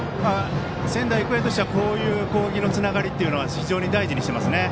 仙台育英としては、こういう攻撃のつながりというのは非常に大事にしていますね。